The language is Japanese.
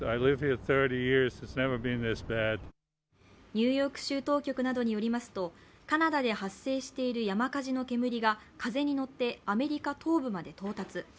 ニューヨーク州当局などによりますと、カナダで発生している山火事の煙が風に乗ってアメリカ東部まで到達。